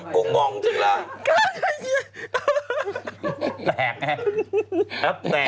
กูงงจริงล่ะ